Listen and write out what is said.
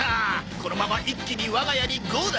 このまま一気に我が家にゴーだ！